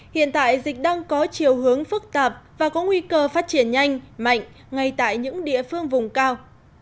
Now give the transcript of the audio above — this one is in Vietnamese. hiện tại dịch đang có chiều hướng phức tạp và có nguy cơ phát triển nhanh mạnh ngay tại những địa phương vùng cao